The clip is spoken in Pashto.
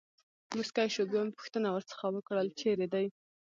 مسکی شو، بیا مې پوښتنه ورڅخه وکړل: چېرې دی.